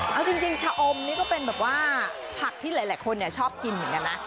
เอาจริงชะอมนี่ก็เป็นแบบว่าผักที่หลายคนชอบกินเหมือนกันนะ